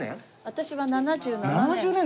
私は７７年。